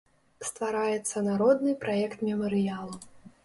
Ствараецца народны праект мемарыялу.